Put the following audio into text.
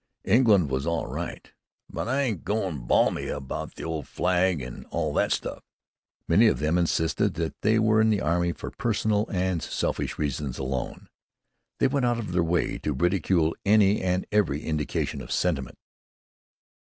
England was all right, but "I ain't goin' balmy about the old flag and all that stuff." Many of them insisted that they were in the army for personal and selfish reasons alone. They went out of their way to ridicule any and every indication of sentiment.